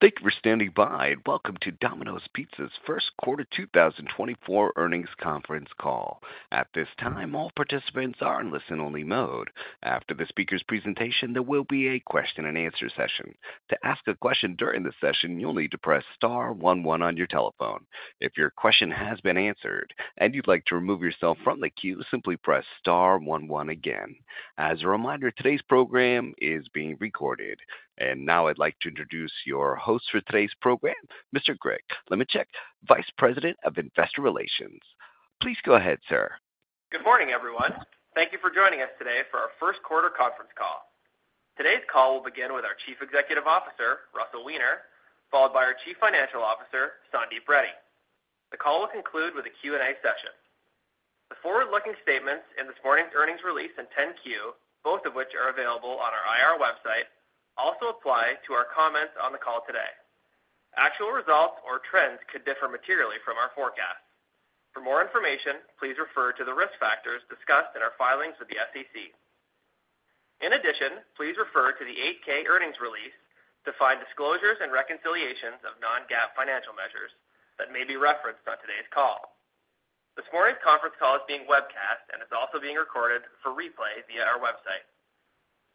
Thank you for standing by, and welcome to Domino's Pizza's First Quarter 2024 Earnings Conference Call. At this time, all participants are in listen-only mode. After the speaker's presentation, there will be a question-and-answer session. To ask a question during the session, you'll need to press star one one on your telephone. If your question has been answered and you'd like to remove yourself from the queue, simply press star one one again. As a reminder, today's program is being recorded. Now I'd like to introduce your host for today's program, Mr. Greg Lemenchick, Vice President of Investor Relations. Please go ahead, sir. Good morning, everyone. Thank you for joining us today for our first quarter conference call. Today's call will begin with our Chief Executive Officer, Russell Weiner, followed by our Chief Financial Officer, Sandeep Reddy. The call will conclude with a Q&A session. The forward-looking statements in this morning's earnings release and 10-Q, both of which are available on our IR website, also apply to our comments on the call today. Actual results or trends could differ materially from our forecast. For more information, please refer to the risk factors discussed in our filings with the SEC. In addition, please refer to the 8-K earnings release to find disclosures and reconciliations of non-GAAP financial measures that may be referenced on today's call. This morning's conference call is being webcast and is also being recorded for replay via our website.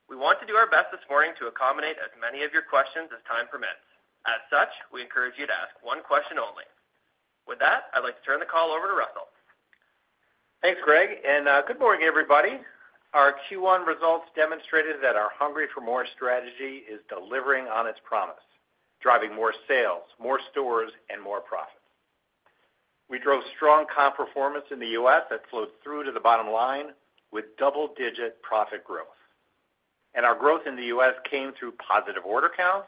We want to do our best this morning to accommodate as many of your questions as time permits. As such, we encourage you to ask one question only. With that, I'd like to turn the call over to Russell. Thanks, Greg, and good morning, everybody. Our Q1 results demonstrated that our Hungry for More strategy is delivering on its promise, driving more sales, more stores, and more profit. We drove strong comp performance in the U.S. that flowed through to the bottom line with double-digit profit growth. Our growth in the U.S. came through positive order counts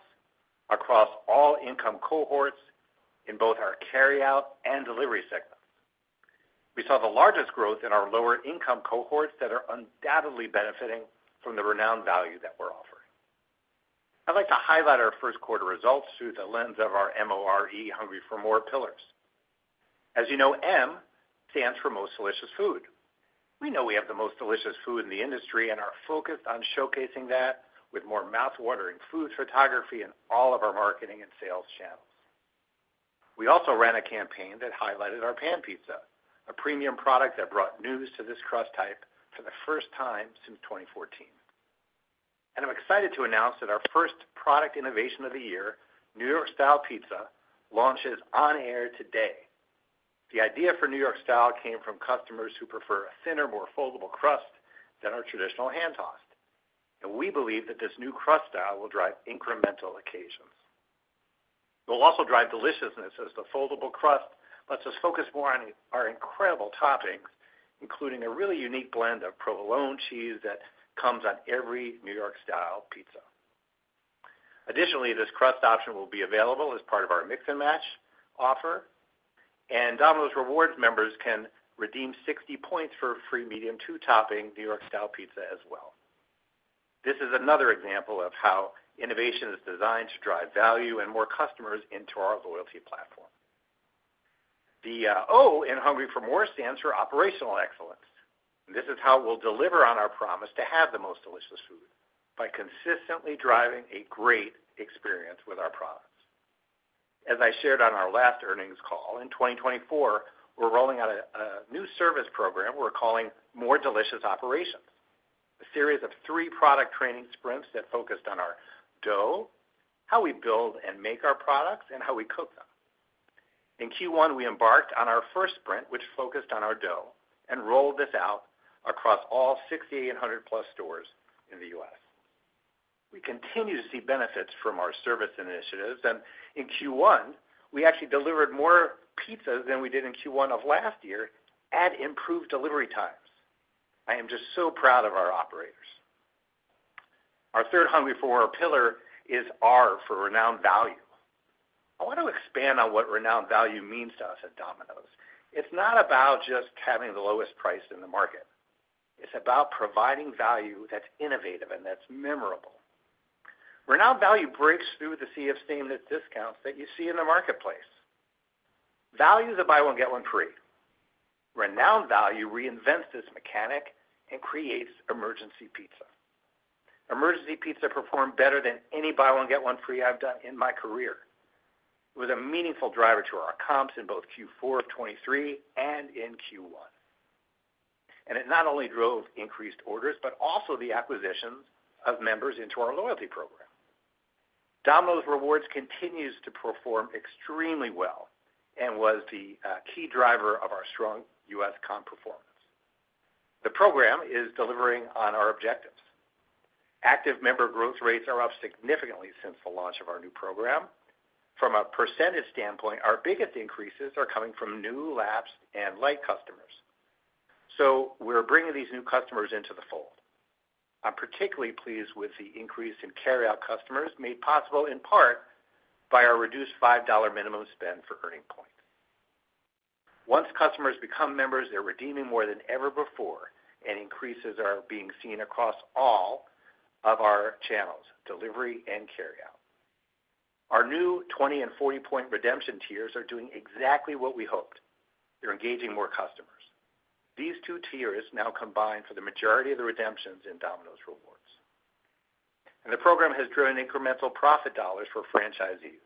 across all income cohorts in both our carryout and delivery segments. We saw the largest growth in our lower income cohorts that are undoubtedly benefiting from the Renowned Value that we're offering. I'd like to highlight our first quarter results through the lens of our M-O-R-E Hungry for More pillars. As you know, M stands for most delicious food. We know we have the most delicious food in the industry and are focused on showcasing that with more mouth-watering food photography in all of our marketing and sales channels. We also ran a campaign that highlighted our pan pizza, a premium product that brought news to this crust type for the first time since 2014. I'm excited to announce that our first product innovation of the year, New York Style pizza, launches on air today. The idea for New York Style came from customers who prefer a thinner, more foldable crust than our traditional Hand Tossed. We believe that this new crust style will drive incremental occasions. It will also drive deliciousness, as the foldable crust lets us focus more on our incredible toppings, including a really unique blend of provolone cheese that comes on every New York Style pizza. Additionally, this crust option will be available as part of our Mix & Match offer, and Domino's Rewards members can redeem 60 points for a free medium, two-topping New York Style pizza as well. This is another example of how innovation is designed to drive value and more customers into our loyalty platform. The O in Hungry for More stands for operational excellence. This is how we'll deliver on our promise to have the most delicious food by consistently driving a great experience with our products. As I shared on our last earnings call, in 2024, we're rolling out a new service program we're calling More Delicious Operations, a series of three product training sprints that focused on our dough, how we build and make our products, and how we cook them. In Q1, we embarked on our first sprint, which focused on our dough and rolled this out across all 6,800+ stores in the U.S. We continue to see benefits from our service initiatives, and in Q1, we actually delivered more pizzas than we did in Q1 of last year at improved delivery times. I am just so proud of our operators. Our third Hungry for More pillar is R for Renowned Value. I want to expand on what Renowned Value means to us at Domino's. It's not about just having the lowest price in the market. It's about providing value that's innovative and that's memorable. Renowned value breaks through the sea of sameness discounts that you see in the marketplace. Value is a buy one, get one free. Renowned value reinvents this mechanic and creates Emergency Pizza. Emergency Pizza performed better than any buy one, get one free I've done in my career. It was a meaningful driver to our comps in both Q4 of 2023 and in Q1. It not only drove increased orders, but also the acquisitions of members into our loyalty program. Domino's Rewards continues to perform extremely well and was the key driver of our strong US comp performance. The program is delivering on our objectives. Active member growth rates are up significantly since the launch of our new program. From a percentage standpoint, our biggest increases are coming from new, lapsed, and light customers. So we're bringing these new customers into the fold. I'm particularly pleased with the increase in carry-out customers, made possible in part by our reduced $5 minimum spend for earning points. Once customers become members, they're redeeming more than ever before, and increases are being seen across all of our channels, delivery and carryout. Our new 20- and 40-point redemption tiers are doing exactly what we hoped: They're engaging more customers. These two tiers now combine for the majority of the redemptions in Domino's Rewards. The program has driven incremental profit dollars for franchisees.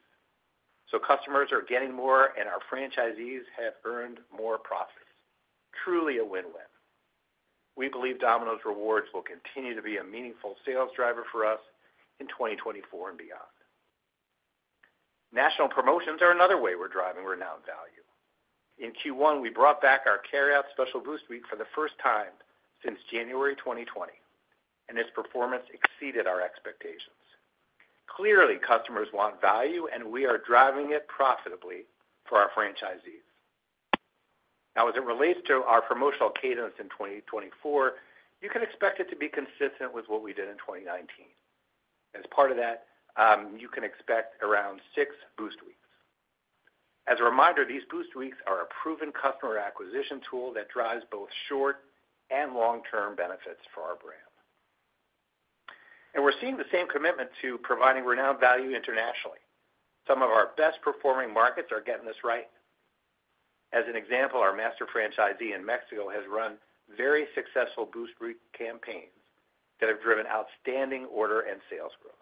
Customers are getting more, and our franchisees have earned more profits. Truly a win-win. We believe Domino's Rewards will continue to be a meaningful sales driver for us in 2024 and beyond. National promotions are another way we're driving Renowned Value. In Q1, we brought back our Carryout Special Boost Week for the first time since January 2020, and its performance exceeded our expectations. Clearly, customers want value, and we are driving it profitably for our franchisees. Now, as it relates to our promotional cadence in 2024, you can expect it to be consistent with what we did in 2019. As part of that, you can expect around 6 Boost Weeks. As a reminder, these Boost Weeks are a proven customer acquisition tool that drives both short and long-term benefits for our brand. We're seeing the same commitment to providing Renowned Value internationally. Some of our best performing markets are getting this right. As an example, our master franchisee in Mexico has run very successful Boost Week campaigns that have driven outstanding order and sales growth.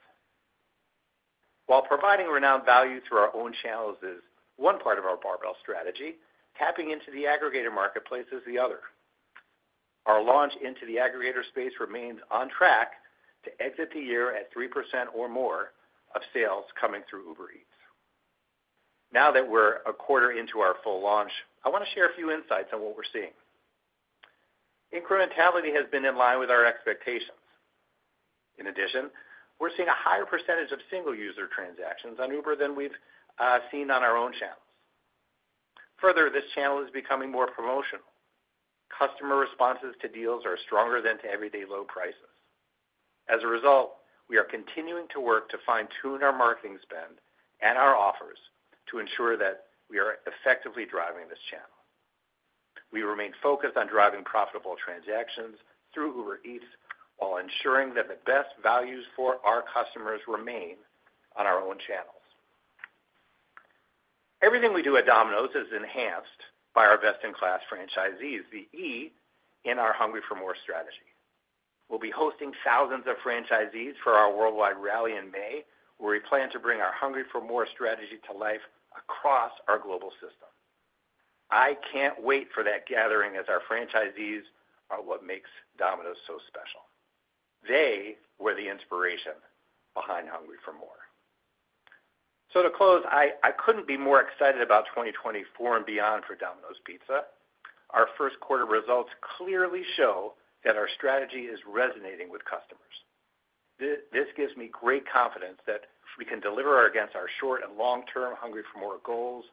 While providing Renowned Value through our own channels is one part of our barbell strategy, tapping into the aggregator marketplace is the other. Our launch into the aggregator space remains on track to exit the year at 3% or more of sales coming through Uber Eats. Now that we're a quarter into our full launch, I want to share a few insights on what we're seeing. Incrementality has been in line with our expectations. In addition, we're seeing a higher percentage of single-user transactions on Uber than we've seen on our own channels. Further, this channel is becoming more promotional. Customer responses to deals are stronger than to everyday low prices. As a result, we are continuing to work to fine-tune our marketing spend and our offers to ensure that we are effectively driving this channel. We remain focused on driving profitable transactions through Uber Eats, while ensuring that the best values for our customers remain on our own channels. Everything we do at Domino's is enhanced by our best-in-class franchisees, the E in our Hungry for More strategy. We'll be hosting thousands of franchisees for our Worldwide Rally in May, where we plan to bring our Hungry for More strategy to life across our global system. I can't wait for that gathering, as our franchisees are what makes Domino's so special. They were the inspiration behind Hungry for More. So to close, I couldn't be more excited about 2024 and beyond for Domino's Pizza. Our first quarter results clearly show that our strategy is resonating with customers. This gives me great confidence that we can deliver against our short- and long-term Hungry for More goals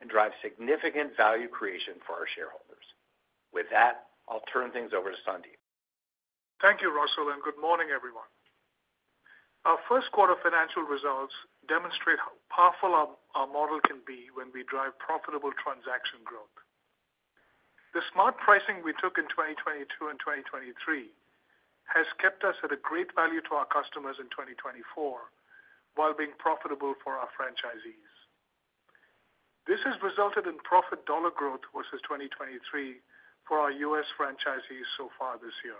and drive significant value creation for our shareholders. With that, I'll turn things over to Sandeep. Thank you, Russell, and good morning, everyone. Our first quarter financial results demonstrate how powerful our model can be when we drive profitable transaction growth. The smart pricing we took in 2022 and 2023 has kept us at a great value to our customers in 2024, while being profitable for our franchisees. This has resulted in profit dollar growth versus 2023 for our U.S. franchisees so far this year.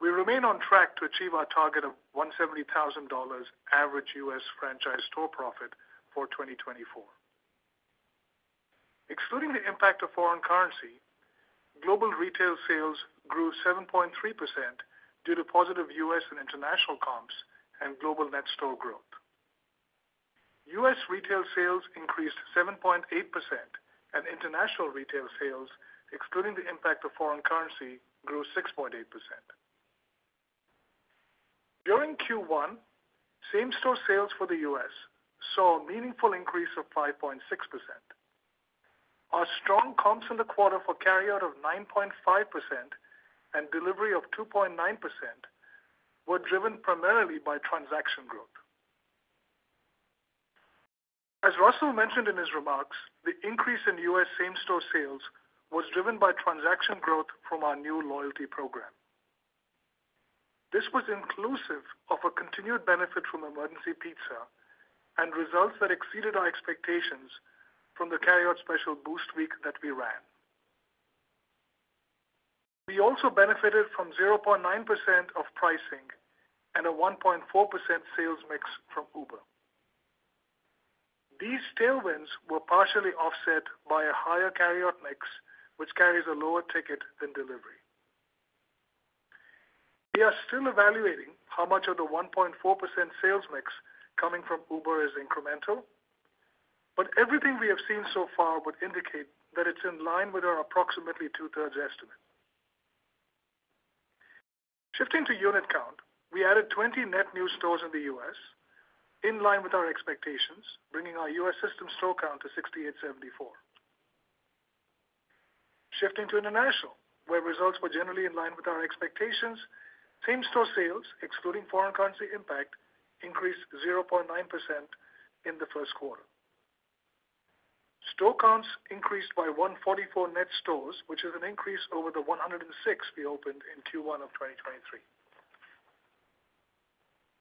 We remain on track to achieve our target of $170,000 average U.S. franchise store profit for 2024. Excluding the impact of foreign currency, global retail sales grew 7.3% due to positive U.S. and international comps and global net store growth. U.S. retail sales increased 7.8%, and international retail sales, excluding the impact of foreign currency, grew 6.8%. During Q1, same-store sales for the U.S. saw a meaningful increase of 5.6%. Our strong comps in the quarter for carryout of 9.5% and delivery of 2.9% were driven primarily by transaction growth. As Russell mentioned in his remarks, the increase in U.S. same-store sales was driven by transaction growth from our new loyalty program. This was inclusive of a continued benefit from Emergency Pizza and results that exceeded our expectations from the Carryout Special Boost Week that we ran. We also benefited from 0.9% of pricing and a 1.4% sales mix from Uber. These tailwinds were partially offset by a higher carryout mix, which carries a lower ticket than delivery. We are still evaluating how much of the 1.4% sales mix coming from Uber is incremental, but everything we have seen so far would indicate that it's in line with our approximately 2/3 estimate. Shifting to unit count, we added 20 net new stores in the U.S., in line with our expectations, bringing our U.S. system store count to 6,874. Shifting to international, where results were generally in line with our expectations, same-store sales, excluding foreign currency impact, increased 0.9% in the first quarter. Store counts increased by 144 net stores, which is an increase over the 106 we opened in Q1 of 2023.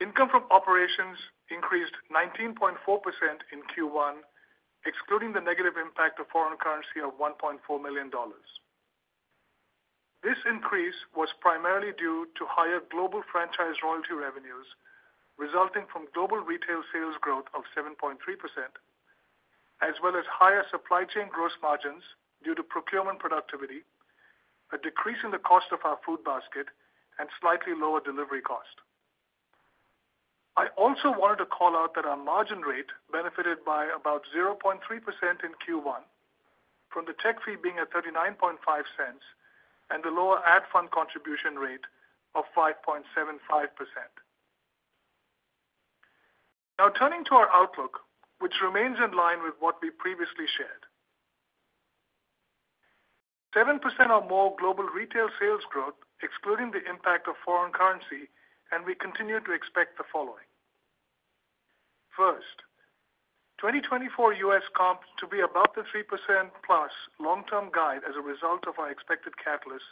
Income from operations increased 19.4% in Q1, excluding the negative impact of foreign currency of $1.4 million. This increase was primarily due to higher global franchise royalty revenues, resulting from global retail sales growth of 7.3%, as well as higher supply chain gross margins due to procurement productivity, a decrease in the cost of our food basket, and slightly lower delivery cost. I also wanted to call out that our margin rate benefited by about 0.3% in Q1 from the tech fee being at $0.395 and the lower ad fund contribution rate of 5.75%. Now turning to our outlook, which remains in line with what we previously shared. 7% or more global retail sales growth, excluding the impact of foreign currency, and we continue to expect the following: First, 2024 U.S. comps to be above the 3%+ long-term guide as a result of our expected catalysts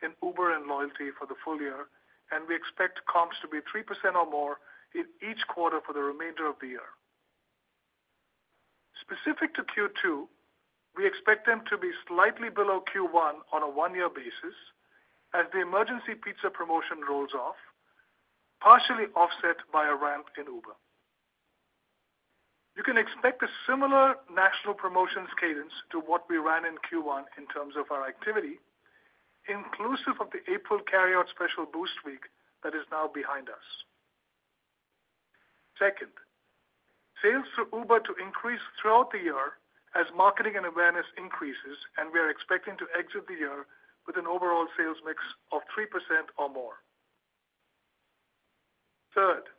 in Uber and loyalty for the full year, and we expect comps to be 3% or more in each quarter for the remainder of the year. Specific to Q2, we expect them to be slightly below Q1 on a one-year basis as the Emergency Pizza promotion rolls off, partially offset by a ramp in Uber. You can expect a similar national promotions cadence to what we ran in Q1 in terms of our activity, inclusive of the April Carryout Special Boost Week that is now behind us. Second, sales through Uber to increase throughout the year as marketing and awareness increases, and we are expecting to exit the year with an overall sales mix of 3% or more. Third,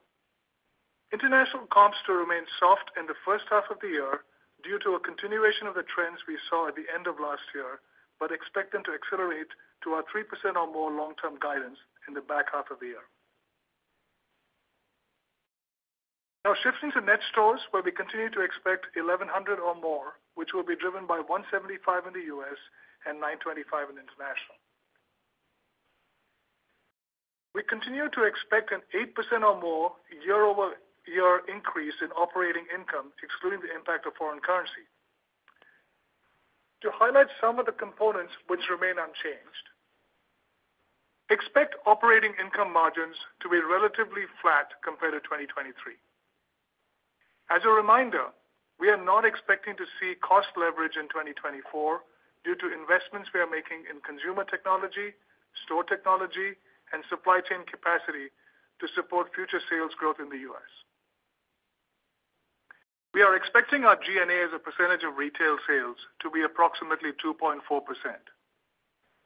international comps to remain soft in the first half of the year due to a continuation of the trends we saw at the end of last year, but expect them to accelerate to our 3% or more long-term guidance in the back half of the year. Now shifting to net stores, where we continue to expect 1,100 or more, which will be driven by 175 in the U.S. and 925 in international. We continue to expect an 8% or more year-over-year increase in operating income, excluding the impact of foreign currency. To highlight some of the components which remain unchanged, expect operating income margins to be relatively flat compared to 2023. As a reminder, we are not expecting to see cost leverage in 2024 due to investments we are making in consumer technology, store technology, and supply chain capacity to support future sales growth in the U.S. We are expecting our G&A as a percentage of retail sales to be approximately 2.4%.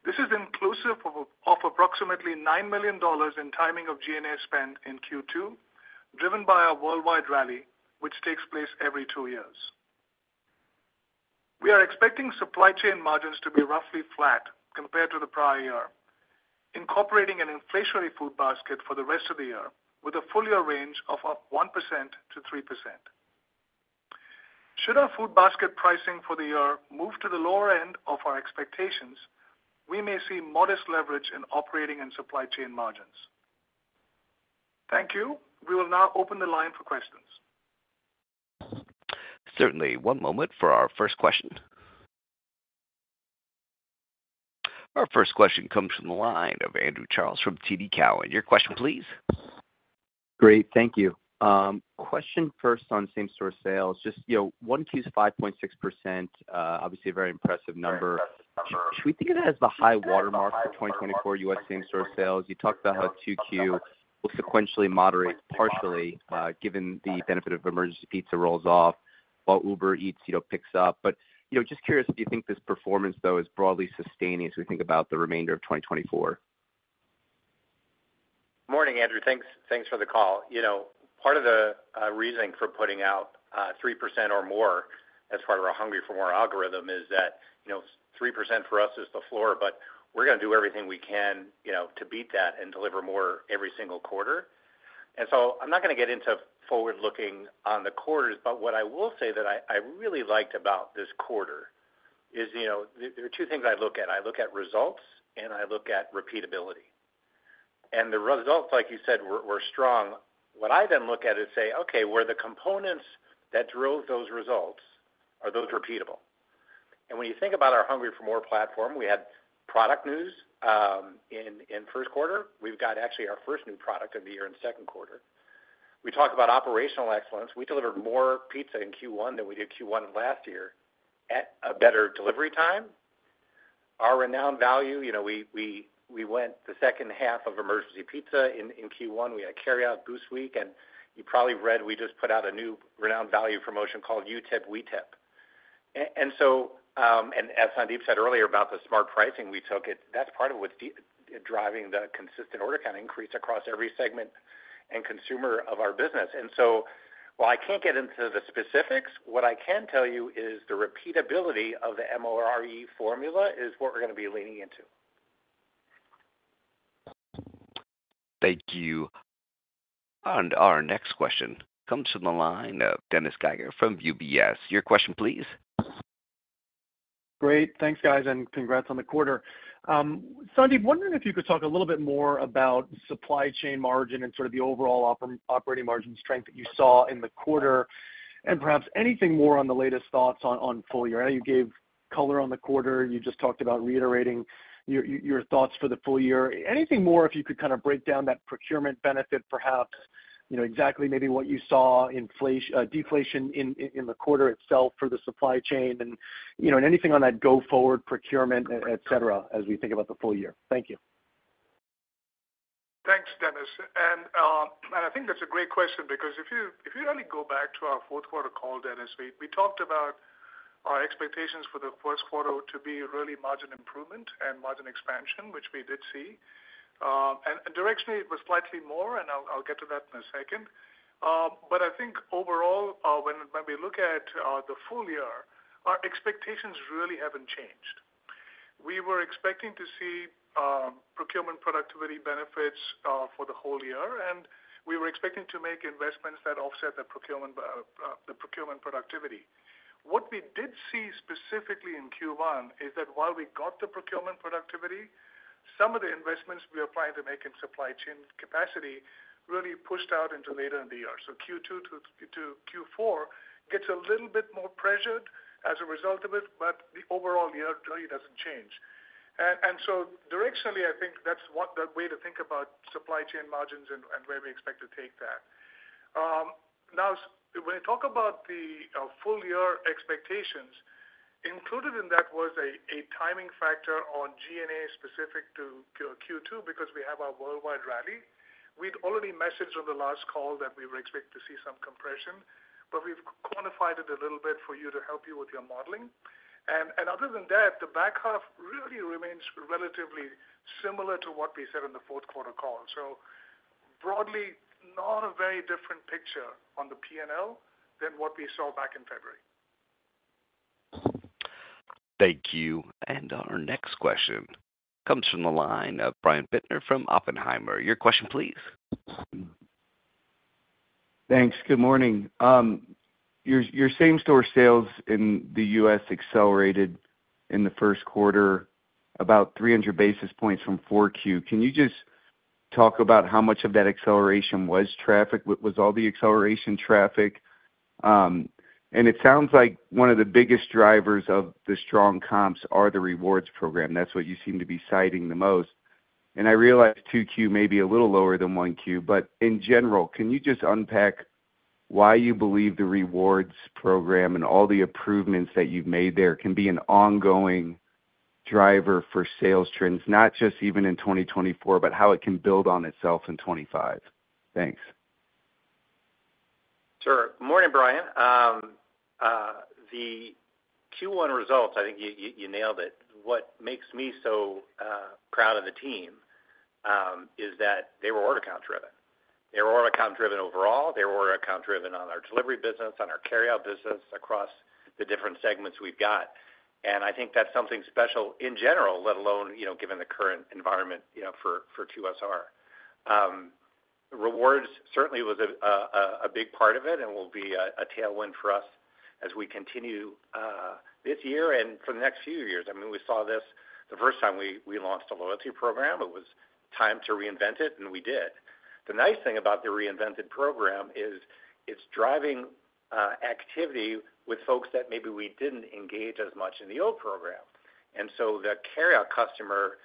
This is inclusive of approximately $9 million in timing of G&A spend in Q2, driven by our Worldwide Rally, which takes place every two years. We are expecting supply chain margins to be roughly flat compared to the prior year, incorporating an inflationary food basket for the rest of the year with a full year range of 1%-3%. Should our food basket pricing for the year move to the lower end of our expectations, we may see modest leverage in operating and supply chain margins. Thank you. We will now open the line for questions. Certainly. One moment for our first question. Our first question comes from the line of Andrew Charles from TD Cowen. Your question, please. Great, thank you. Question first on same-store sales, just, you know, 1Q is 5.6%, obviously a very impressive number. Should we think of that as the high watermark for 2024 U.S. same-store sales? You talked about how 2Q will sequentially moderate, partially, given the benefit of Emergency Pizza rolls off while Uber Eats, you know, picks up. But, you know, just curious if you think this performance, though, is broadly sustaining as we think about the remainder of 2024. Morning, Andrew. Thanks, thanks for the call. You know, part of the reasoning for putting out 3% or more as part of our Hungry for More algorithm is that, you know, 3% for us is the floor, but we're gonna do everything we can, you know, to beat that and deliver more every single quarter. And so I'm not gonna get into forward looking on the quarters, but what I will say that I really liked about this quarter is, you know, there are two things I look at. I look at results, and I look at repeatability. And the results, like you said, were strong. What I then look at is say, "Okay, were the components that drove those results, are those repeatable?" And when you think about our Hungry for More platform, we had product news in first quarter. We've got actually our first new product of the year in second quarter. We talked about operational excellence. We delivered more pizza in Q1 than we did Q1 of last year at a better delivery time. Our Renowned Value, you know, we went the second half of Emergency Pizza in Q1. We had a carryout Boost Week, and you probably read we just put out a new Renowned Value promotion called You Tip, We Tip. And so, and as Sandeep said earlier about the smart pricing we took, that's part of what's driving the consistent order count increase across every segment and consumer of our business. And so, while I can't get into the specifics, what I can tell you is the repeatability of the MORE formula is what we're gonna be leaning into. Thank you. And our next question comes from the line of Dennis Geiger from UBS. Your question, please? Great. Thanks, guys, and congrats on the quarter. Sandeep, wondering if you could talk a little bit more about supply chain margin and sort of the overall operating margin strength that you saw in the quarter, and perhaps anything more on the latest thoughts on full year. I know you gave color on the quarter. You just talked about reiterating your thoughts for the full year. Anything more, if you could kind of break down that procurement benefit, perhaps, you know, exactly maybe what you saw deflation in the quarter itself for the supply chain, and, you know, and anything on that go-forward procurement, et cetera, as we think about the full year. Thank you. Thanks, Dennis, and I think that's a great question because if you really go back to our fourth quarter call, Dennis, we talked about our expectations for the first quarter to be really margin improvement and margin expansion, which we did see. And directionally, it was slightly more, and I'll get to that in a second. But I think overall, when we look at the full year, our expectations really haven't changed. We were expecting to see procurement productivity benefits for the whole year, and we were expecting to make investments that offset the procurement productivity. What we did see specifically in Q1 is that while we got the procurement productivity, some of the investments we were planning to make in supply chain capacity really pushed out into later in the year. So Q2 to Q4 gets a little bit more pressured as a result of it, but the overall year really doesn't change. And so directionally, I think that's the way to think about supply chain margins and where we expect to take that. Now when we talk about the full year expectations, included in that was a timing factor on G&A specific to Q2 because we have our Worldwide Rally. We'd already messaged on the last call that we were expecting to see some compression, but we've quantified it a little bit for you to help you with your modeling. And other than that, the back half really remains relatively similar to what we said on the fourth quarter call. So broadly, not a very different picture on the P&L than what we saw back in February. Thank you. And our next question comes from the line of Brian Bittner from Oppenheimer. Your question please. Thanks. Good morning. Your, your same-store sales in the U.S. accelerated in the first quarter, about 300 basis points from 4Q. Can you just talk about how much of that acceleration was traffic? Was all the acceleration traffic? And it sounds like one of the biggest drivers of the strong comps are the rewards program. That's what you seem to be citing the most. And I realize 2Q may be a little lower than 1Q, but in general, can you just unpack why you believe the rewards program and all the improvements that you've made there can be an ongoing driver for sales trends, not just even in 2024, but how it can build on itself in 2025? Thanks. Sure. Morning, Brian. The Q1 results, I think you nailed it. What makes me so proud of the team is that they were order count driven. They were order count driven overall. They were order count driven on our delivery business, on our carryout business, across the different segments we've got. And I think that's something special in general, let alone, you know, given the current environment, you know, for QSR. Rewards certainly was a big part of it and will be a tailwind for us as we continue this year and for the next few years. I mean, we saw this the first time we launched a loyalty program. It was time to reinvent it, and we did. The nice thing about the reinvented program is it's driving activity with folks that maybe we didn't engage as much in the old program. And so the carryout customer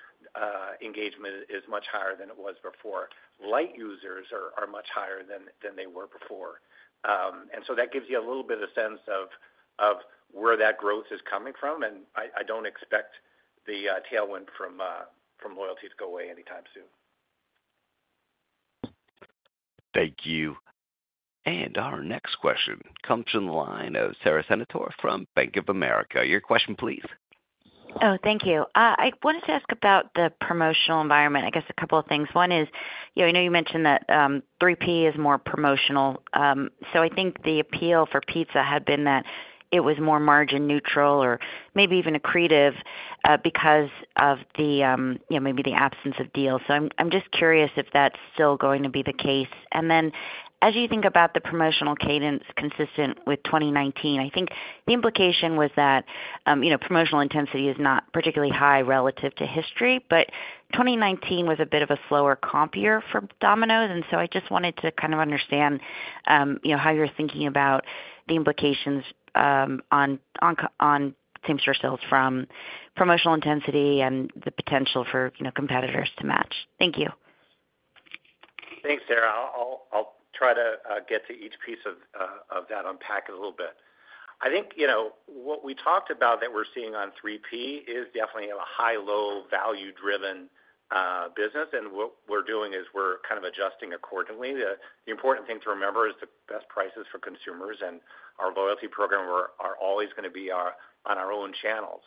engagement is much higher than it was before. Light users are much higher than they were before. And so that gives you a little bit of a sense of where that growth is coming from, and I don't expect the tailwind from loyalty to go away anytime soon. Thank you. Our next question comes from the line of Sara Senatore from Bank of America. Your question, please. Oh, thank you. I wanted to ask about the promotional environment, I guess a couple of things. One is, you know, I know you mentioned that 3P is more promotional. So I think the appeal for pizza had been that it was more margin neutral or maybe even accretive, because of the, you know, maybe the absence of deals. So I'm just curious if that's still going to be the case. And then, as you think about the promotional cadence consistent with 2019, I think the implication was that, you know, promotional intensity is not particularly high relative to history, but 2019 was a bit of a slower comp year for Domino's. So I just wanted to kind of understand, you know, how you're thinking about the implications on same-store sales from promotional intensity and the potential for, you know, competitors to match. Thank you. Thanks, Sarah. I'll try to get to each piece of that, unpack it a little bit. I think, you know, what we talked about that we're seeing on 3P is definitely a high-low value-driven business, and what we're doing is we're kind of adjusting accordingly. The important thing to remember is the best prices for consumers and our loyalty program are always gonna be on our own channels.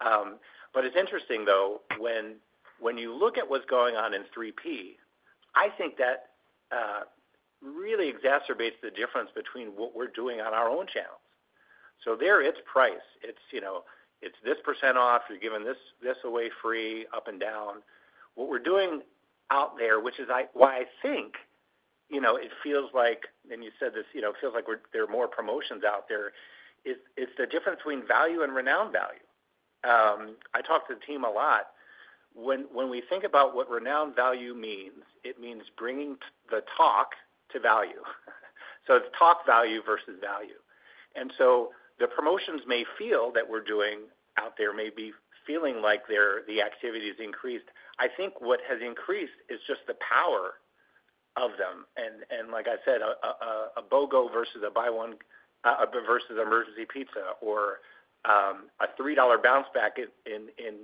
But it's interesting though, when you look at what's going on in 3P, I think that really exacerbates the difference between what we're doing on our own channels. So there, it's price. It's, you know, it's this percent off, you're giving this away free, up and down. What we're doing out there, which is I- why I think You know, it feels like, and you said this, you know, it feels like we're there are more promotions out there. It's, it's the difference between value and Renowned Value. I talk to the team a lot. When, when we think about what Renowned Value means, it means bringing the talk to value. So it's talk value versus value. And so the promotions may feel that we're doing out there may be feeling like they're the activity is increased. I think what has increased is just the power of them. And, and like I said, a, a, a BOGO versus a buy one, versus Emergency Pizza or, a $3 bounce back in, in,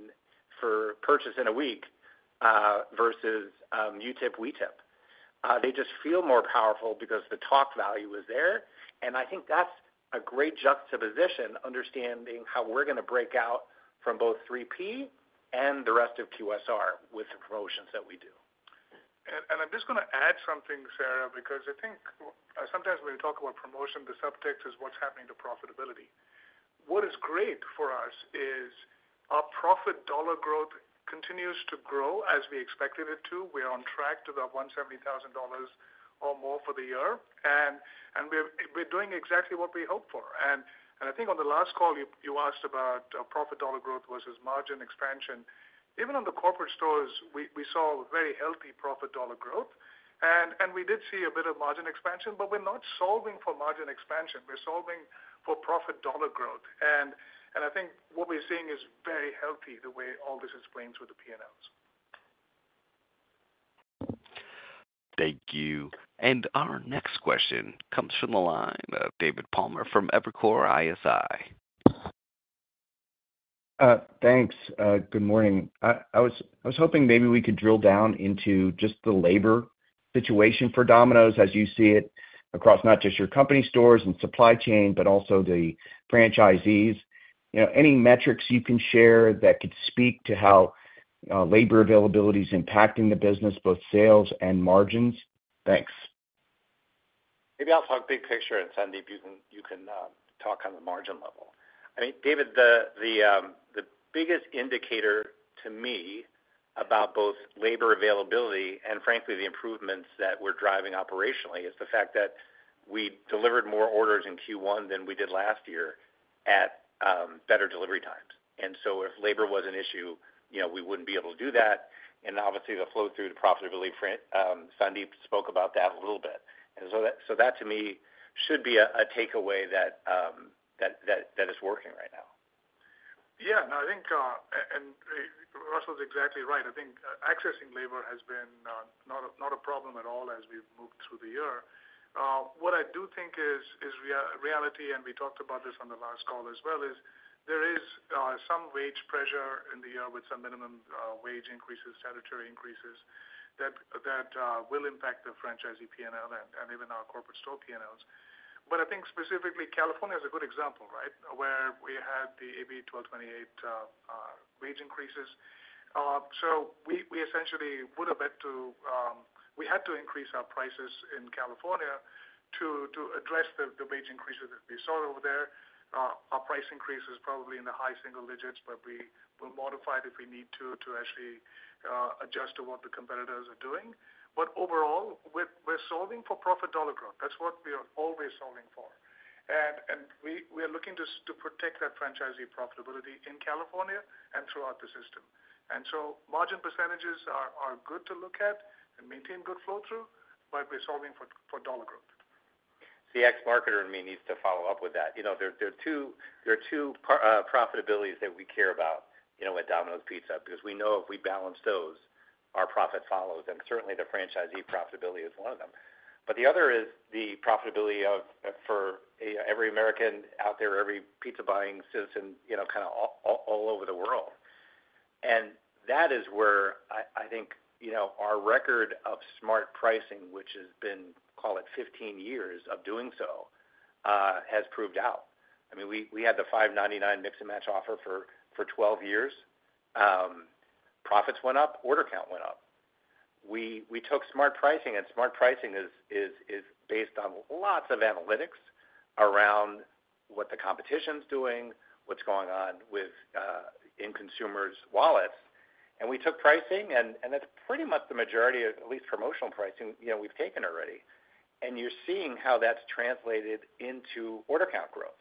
for purchase in a week, versus, You Tip, We Tip. They just feel more powerful because the talk value is there, and I think that's a great juxtaposition, understanding how we're gonna break out from both 3P and the rest of QSR with the promotions that we do. I'm just gonna add something, Sarah, because I think sometimes when we talk about promotion, the subtext is what's happening to profitability. What is great for us is our profit dollar growth continues to grow as we expected it to. We are on track to the $170,000 or more for the year, and we're doing exactly what we hoped for. And I think on the last call, you asked about profit dollar growth versus margin expansion. Even on the corporate stores, we saw very healthy profit dollar growth, and we did see a bit of margin expansion, but we're not solving for margin expansion. We're solving for profit dollar growth. And I think what we're seeing is very healthy, the way all this is playing through the P&Ls. Thank you. Our next question comes from the line of David Palmer from Evercore ISI. Thanks, good morning. I was hoping maybe we could drill down into just the labor situation for Domino's as you see it, across not just your company stores and supply chain, but also the franchisees. You know, any metrics you can share that could speak to how labor availability is impacting the business, both sales and margins? Thanks. Maybe I'll talk big picture, and Sandeep, you can, you can, talk on the margin level. I mean, David, the, the, the biggest indicator to me about both labor availability and frankly, the improvements that we're driving operationally, is the fact that we delivered more orders in Q1 than we did last year at, better delivery times. And so if labor was an issue, you know, we wouldn't be able to do that, and obviously, the flow through the profitability frame, Sandeep spoke about that a little bit. And so that, so that to me, should be a, a takeaway that, that, that, that is working right now. Yeah, no, I think, and, Russell is exactly right. I think accessing labor has been not a problem at all as we've moved through the year. What I do think is reality, and we talked about this on the last call as well, is there is some wage pressure in the year with some minimum wage increases, statutory increases, that will impact the franchisee P&L and even our corporate store P&Ls. But I think specifically, California is a good example, right? Where we had the AB 1228 wage increases. So we essentially would have had to. We had to increase our prices in California to address the wage increases that we saw over there. Our price increase is probably in the high single digits, but we will modify it if we need to, to actually adjust to what the competitors are doing. But overall, we're solving for profit dollar growth. That's what we are always solving for. And we are looking to protect that franchisee profitability in California and throughout the system. And so margin percentages are good to look at and maintain good flow through, but we're solving for dollar growth. The ex-marketer in me needs to follow up with that. You know, there are two profitabilities that we care about, you know, at Domino's Pizza, because we know if we balance those, our profit follows, and certainly the franchisee profitability is one of them. But the other is the profitability of, for every American out there, every pizza buying citizen, you know, kind of all over the world. And that is where I think, you know, our record of smart pricing, which has been, call it 15 years of doing so, has proved out. I mean, we had the $5.99 Mix & Match offer for 12 years. Profits went up, order count went up. We took smart pricing, and smart pricing is based on lots of analytics around what the competition's doing, what's going on in consumers' wallets. And we took pricing, and that's pretty much the majority of at least promotional pricing, you know, we've taken already. And you're seeing how that's translated into order count growth.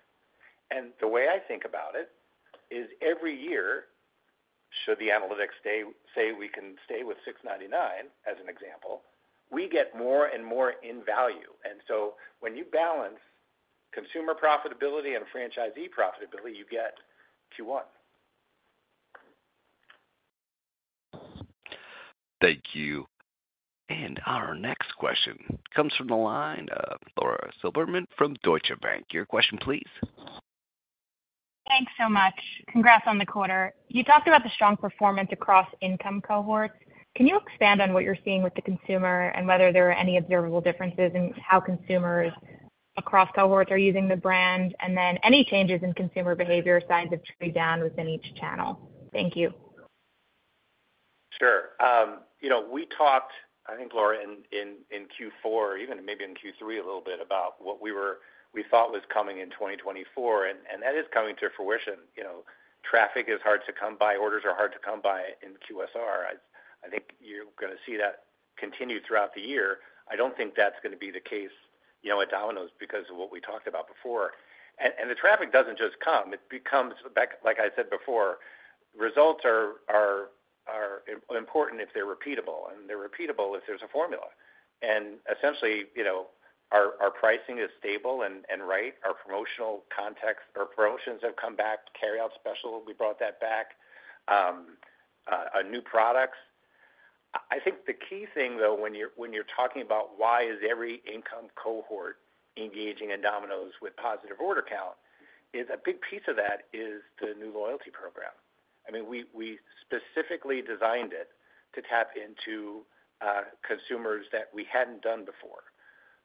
And the way I think about it is every year, should the analytics say we can stay with $6.99, as an example, we get more and more in value. And so when you balance consumer profitability and franchisee profitability, you get Q1. Thank you. Our next question comes from the line of Lauren Silberman from Deutsche Bank. Your question, please. Thanks so much. Congrats on the quarter. You talked about the strong performance across income cohorts. Can you expand on what you're seeing with the consumer and whether there are any observable differences in how consumers across cohorts are using the brand, and then any changes in consumer behavior, signs of trade down within each channel? Thank you. Sure. You know, we talked, I think, Laura, in Q4, even maybe in Q3, a little bit about what we thought was coming in 2024, and that is coming to fruition, you know. Traffic is hard to come by, orders are hard to come by in QSR. I think you're gonna see that continue throughout the year. I don't think that's gonna be the case, you know, at Domino's because of what we talked about before. And the traffic doesn't just come. It comes back like I said before, results are important if they're repeatable, and they're repeatable if there's a formula. And essentially, you know, our pricing is stable and right. Our promotional context or promotions have come back. Carryout special, we brought that back, new products. I think the key thing, though, when you're talking about why is every income cohort engaging in Domino's with positive order count, is a big piece of that is the new loyalty program. I mean, we specifically designed it to tap into consumers that we hadn't done before.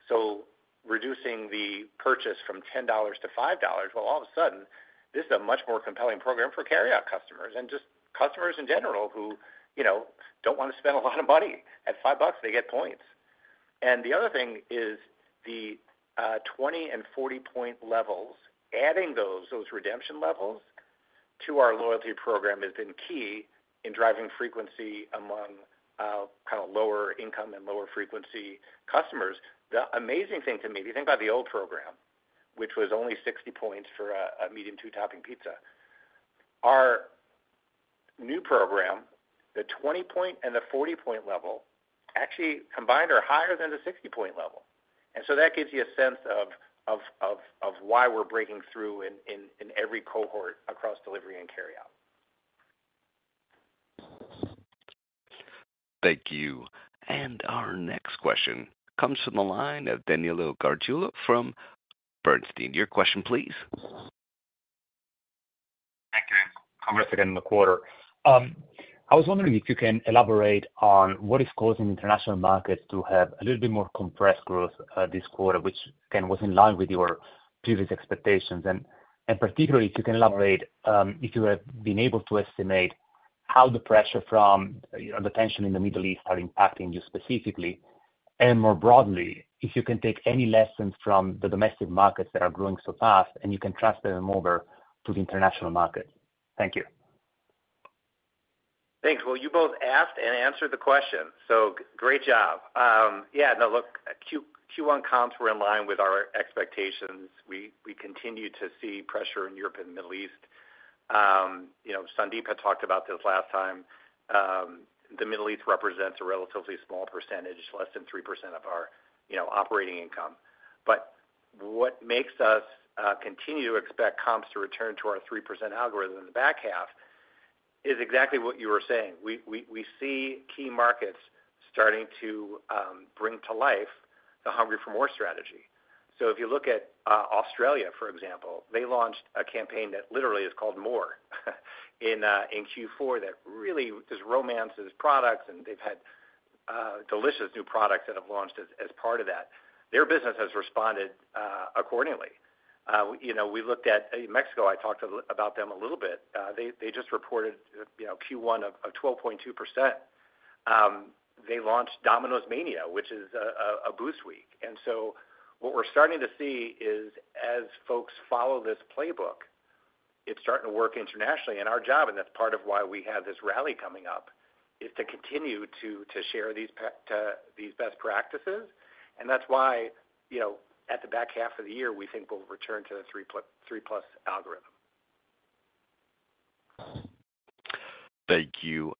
So reducing the purchase from $10 to $5, well, all of a sudden, this is a much more compelling program for carryout customers and just customers in general who, you know, don't wanna spend a lot of money. At $5, they get points. And the other thing is the 20 and 40-point levels. Adding those redemption levels to our loyalty program has been key in driving frequency among kind of lower income and lower frequency customers. The amazing thing to me, if you think about the old program, which was only 60 points for a medium two-topping pizza, our new program, the 20-point and the 40-point level, actually combined, are higher than the 60-point level. And so that gives you a sense of why we're breaking through in every cohort across delivery and carryout. Thank you. Our next question comes from the line of Danilo Gargiulo from Bernstein. Your question, please. Thank you. Congrats again on the quarter. I was wondering if you can elaborate on what is causing international markets to have a little bit more compressed growth, this quarter, which kind of was in line with your previous expectations? And particularly, if you can elaborate, if you have been able to estimate how the pressure from, you know, the tension in the Middle East are impacting you specifically? And more broadly, if you can take any lessons from the domestic markets that are growing so fast, and you can transfer them over to the international market. Thank you. Thanks. Well, you both asked and answered the question, so great job. Yeah, no, look, Q1 comps were in line with our expectations. We continue to see pressure in Europe and the Middle East. You know, Sandeep had talked about this last time. The Middle East represents a relatively small percentage, less than 3% of our, you know, operating income. But what makes us continue to expect comps to return to our 3% algorithm in the back half is exactly what you were saying. We see key markets starting to bring to life the Hungry for More strategy. If you look at Australia, for example, they launched a campaign that literally is called More, in Q4, that really just romances products, and they've had delicious new products that have launched as part of that. Their business has responded accordingly. You know, we looked at Mexico. I talked a little bit about them. They just reported, you know, Q1 of 12.2%. They launched Domino's Mania, which is a boost week. And so what we're starting to see is, as folks follow this playbook, it's starting to work internationally. And our job, and that's part of why we have this rally coming up, is to continue to share these best practices. That's why, you know, at the back half of the year, we think we'll return to the 3+ algorithm. Thank you.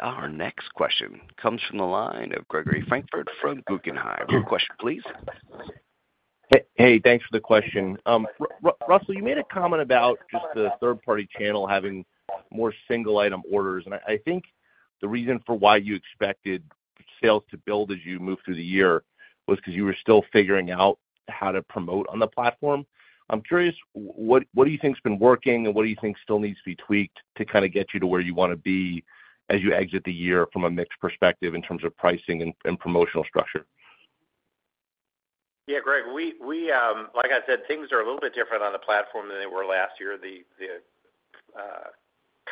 Our next question comes from the line of Gregory Francfort from Guggenheim. Your question, please. Hey, hey, thanks for the question. Russell, you made a comment about just the third-party channel having more single-item orders, and I think the reason for why you expected sales to build as you move through the year was because you were still figuring out how to promote on the platform. I'm curious, what do you think has been working, and what do you think still needs to be tweaked to kind of get you to where you wanna be as you exit the year from a mix perspective in terms of pricing and promotional structure? Yeah, Greg, like I said, things are a little bit different on the platform than they were last year. The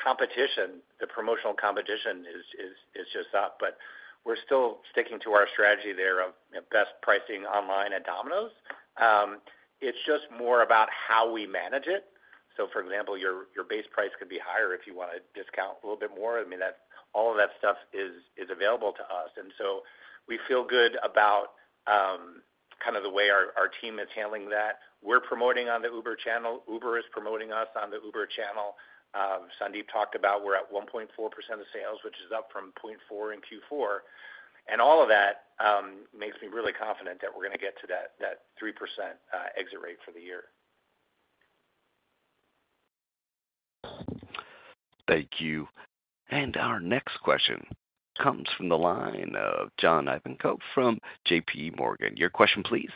competition, the promotional competition is just up, but we're still sticking to our strategy there of best pricing online at Domino's. It's just more about how we manage it. So for example, your base price could be higher if you wanna discount a little bit more. I mean, that all of that stuff is available to us. And so we feel good about kind of the way our team is handling that. We're promoting on the Uber channel. Uber is promoting us on the Uber channel. Sandeep talked about we're at 1.4% of sales, which is up from 0.4% in Q4. All of that makes me really confident that we're gonna get to that 3% exit rate for the year. Thank you. And our next question comes from the line of John Ivankoe from J.P. Morgan. Your question please.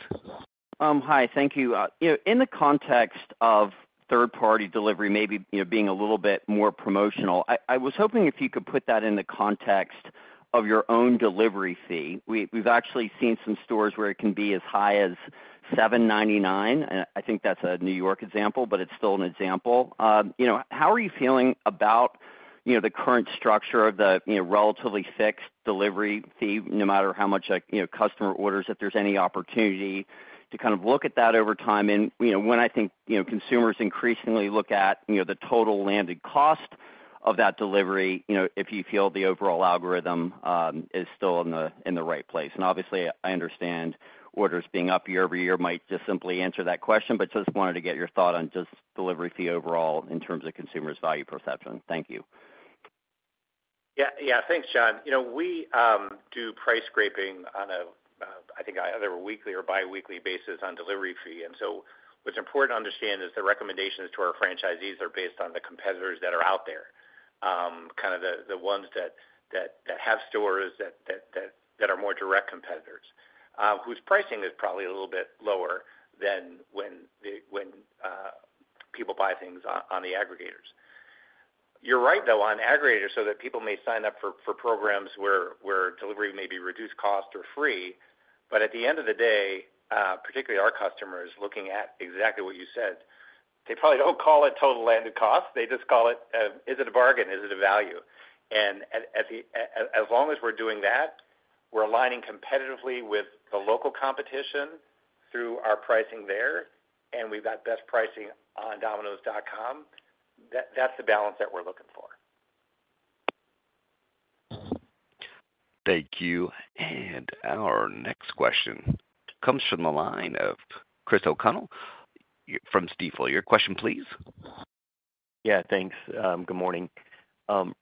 Hi. Thank you. You know, in the context of third-party delivery, maybe, you know, being a little bit more promotional, I was hoping if you could put that in the context of your own delivery fee. We've actually seen some stores where it can be as high as $7.99, and I think that's a New York example, but it's still an example. You know, how are you feeling about you know, the current structure of the, you know, relatively fixed delivery fee, no matter how much a, you know, customer orders, if there's any opportunity to kind of look at that over time. And, you know, when I think, you know, consumers increasingly look at, you know, the total landed cost of that delivery, you know, if you feel the overall algorithm is still in the right place. And obviously, I understand orders being up year-over-year might just simply answer that question, but just wanted to get your thought on just delivery fee overall in terms of consumers' value perception. Thank you. Yeah. Yeah, thanks, John. You know, we do price scraping on a, I think, either a weekly or biweekly basis on delivery fee. And so what's important to understand is the recommendations to our franchisees are based on the competitors that are out there. Kind of the ones that have stores that are more direct competitors, whose pricing is probably a little bit lower than when people buy things on the aggregators. You're right, though, on aggregators, so that people may sign up for programs where delivery may be reduced cost or free. But at the end of the day, particularly our customers, looking at exactly what you said, they probably don't call it total landed cost. They just call it, is it a bargain? Is it a value? As long as we're doing that, we're aligning competitively with the local competition through our pricing there, and we've got best pricing on Domino's.com. That's the balance that we're looking for. Thank you. And our next question comes from the line of Chris O'Connell from Stifel. Your question, please. Yeah, thanks. Good morning.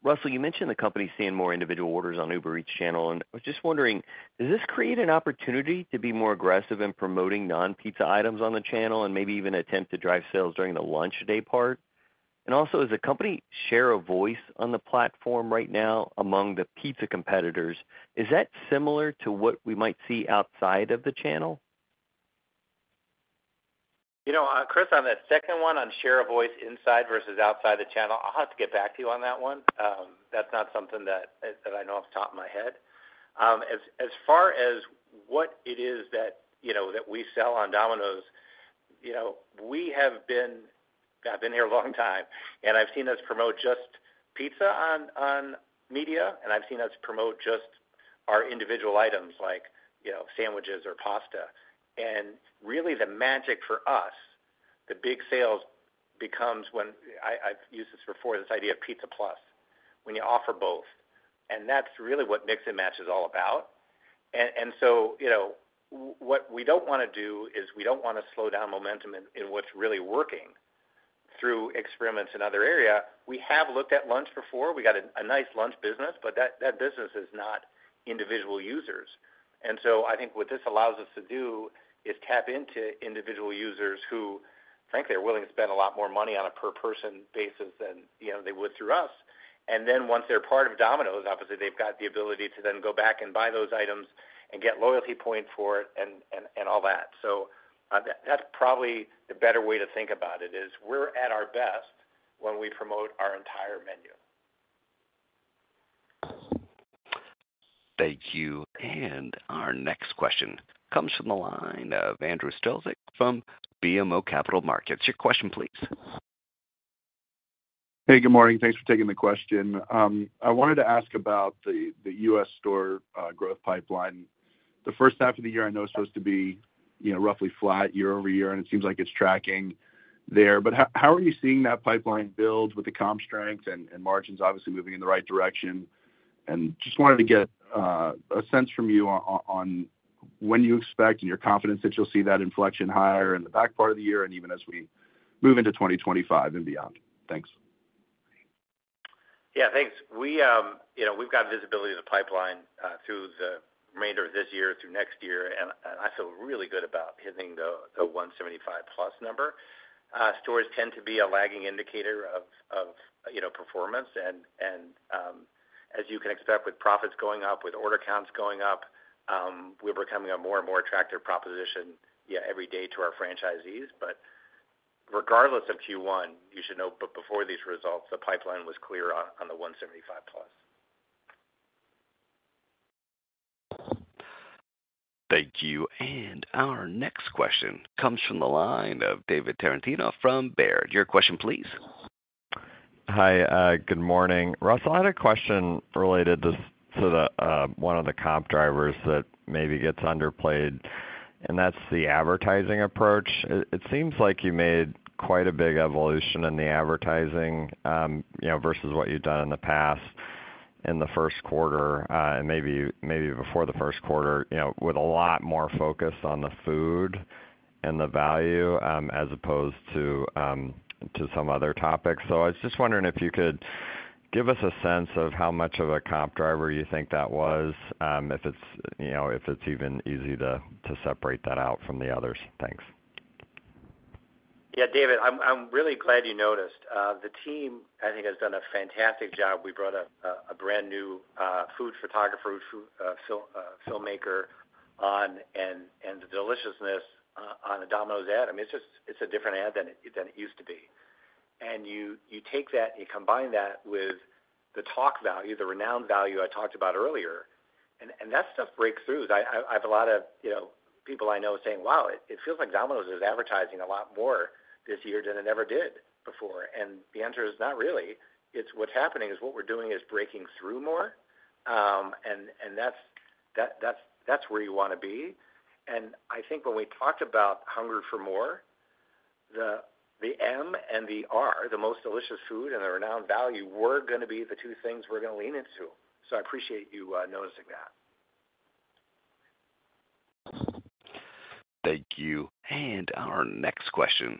Russell, you mentioned the company seeing more individual orders on Uber Eats channel, and I was just wondering, does this create an opportunity to be more aggressive in promoting non-pizza items on the channel and maybe even attempt to drive sales during the lunch day part? And also, does the company share of voice on the platform right now among the pizza competitors? Is that similar to what we might see outside of the channel? You know, Chris, on that second one, on share of voice inside versus outside the channel, I'll have to get back to you on that one. That's not something that I know off the top of my head. As far as what it is that, you know, that we sell on Domino's, you know, we have been. I've been here a long time, and I've seen us promote just pizza on media, and I've seen us promote just our individual items like, you know, sandwiches or pasta. And really, the magic for us, the big sales, becomes when I've used this before, this idea of pizza plus, when you offer both, and that's really what Mix & Match is all about. So, you know, what we don't wanna do is we don't wanna slow down momentum in what's really working through experiments in other area. We have looked at lunch before. We got a nice lunch business, but that business is not individual users. And so I think what this allows us to do is tap into individual users who frankly are willing to spend a lot more money on a per person basis than, you know, they would through us. And then once they're part of Domino's, obviously, they've got the ability to then go back and buy those items and get loyalty point for it and all that. So, that's probably the better way to think about it, is we're at our best when we promote our entire menu. Thank you. Our next question comes from the line of Andrew Strelzik from BMO Capital Markets. Your question, please. Hey, good morning. Thanks for taking the question. I wanted to ask about the U.S. store growth pipeline. The first half of the year, I know, is supposed to be, you know, roughly flat year-over-year, and it seems like it's tracking there. But how are you seeing that pipeline build with the comp strength and margins obviously moving in the right direction? And just wanted to get a sense from you on when you expect and your confidence that you'll see that inflection higher in the back part of the year and even as we move into 2025 and beyond. Thanks. Yeah, thanks. We, you know, we've got visibility of the pipeline, through the remainder of this year, through next year, and, and I feel really good about hitting the, the 175+ number. Stores tend to be a lagging indicator of, of, you know, performance. And, and, as you can expect, with profits going up, with order counts going up, we're becoming a more and more attractive proposition, yeah, every day to our franchisees. But regardless of Q1, you should know, before these results, the pipeline was clear on, on the 175+. Thank you. And our next question comes from the line of David Tarantino from Baird. Your question, please. Hi, good morning. Russell, I had a question related to the one of the comp drivers that maybe gets underplayed, and that's the advertising approach. It seems like you made quite a big evolution in the advertising, you know, versus what you've done in the past, in the first quarter, and maybe before the first quarter, you know, with a lot more focus on the food and the value, as opposed to some other topics. So I was just wondering if you could give us a sense of how much of a comp driver you think that was, you know, if it's even easy to separate that out from the others. Thanks. Yeah, David, I'm really glad you noticed. The team, I think, has done a fantastic job. We brought a brand-new food photographer, food filmmaker on, and the deliciousness on the Domino's ad, I mean, it's just, it's a different ad than it used to be. And you take that, and you combine that with the talk value, the Renowned Value I talked about earlier. And that stuff breaks through. I have a lot of, you know, people I know saying, "Wow, it feels like Domino's is advertising a lot more this year than it ever did before." And the answer is, not really. It's what's happening is what we're doing is breaking through more, and that's where you want to be. I think when we talked about Hungry for More, the M and the R, the most delicious food and the Renowned Value, were gonna be the two things we're gonna lean into. So I appreciate you noticing that. Thank you. Our next question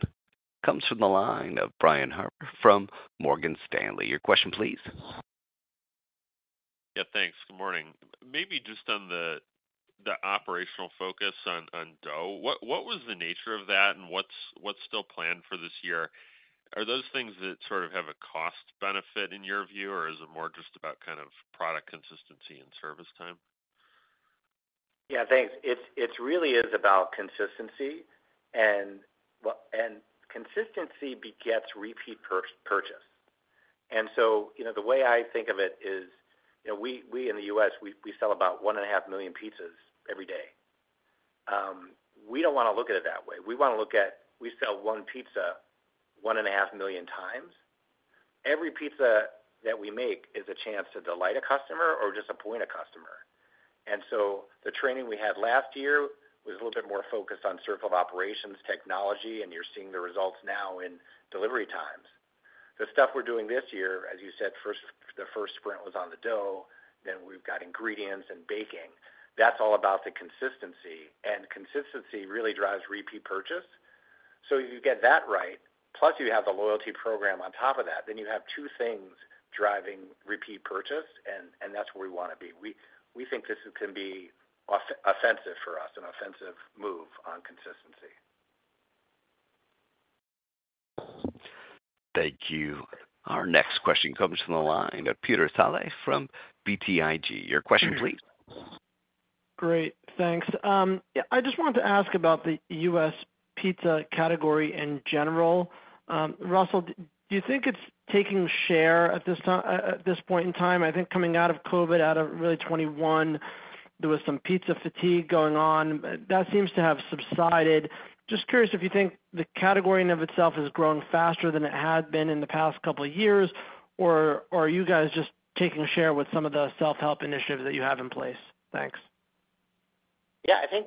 comes from the line of Brian Harbour from Morgan Stanley. Your question, please. Yeah, thanks. Good morning. Maybe just on the operational focus on dough. What was the nature of that, and what's still planned for this year? Are those things that sort of have a cost benefit in your view, or is it more just about kind of product consistency and service time? Yeah, thanks. It really is about consistency, and consistency begets repeat purchase. And so, you know, the way I think of it is, you know, we in the U.S., we sell about 1.5 million pizzas every day. We don't wanna look at it that way. We wanna look at, we sell one pizza, 1.5 million times. Every pizza that we make is a chance to delight a customer or disappoint a customer. And so the training we had last year was a little bit more focused on Circle of Operations, technology, and you're seeing the results now in delivery times. The stuff we're doing this year, as you said, the first sprint was on the dough, then we've got ingredients and baking. That's all about the consistency, and consistency really drives repeat purchase. So if you get that right, plus you have the loyalty program on top of that, then you have two things driving repeat purchase, and that's where we wanna be. We think this can be offensive for us, an offensive move on consistency. Thank you. Our next question comes from the line of Peter Saleh from BTIG. Your question, please. Great, thanks. Yeah, I just wanted to ask about the U.S. pizza category in general. Russell, do you think it's taking share at this point in time? I think coming out of COVID, out of really 2021, there was some pizza fatigue going on, but that seems to have subsided. Just curious if you think the category in of itself has grown faster than it had been in the past couple of years, or are you guys just taking share with some of the self-help initiatives that you have in place? Thanks. Yeah, I think,